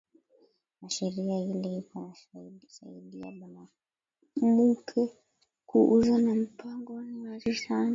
Ma sheria ile iko na saidiya banamuke ku uza ma npango ni wazi sana